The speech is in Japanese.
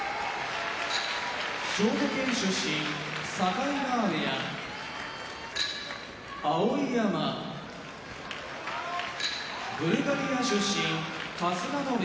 兵庫県出身境川部屋碧山ブルガリア出身春日野部屋